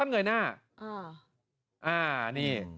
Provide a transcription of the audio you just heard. ถ้านอยอิน่ามาแล้ว